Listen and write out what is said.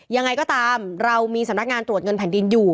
ยังไงก็ตามเรามีสำนักงานตรวจเงินแผ่นดินอยู่